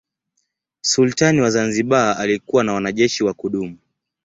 Sultani wa Zanzibar alikuwa na wanajeshi wa kudumu.